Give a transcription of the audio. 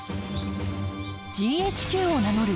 ＧＨＱを名乗る